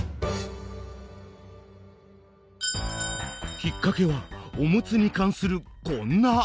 きっかけはおむつに関するこんなあるある。